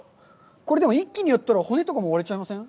これ、でも一気にやったら骨とかも割れてしまいません？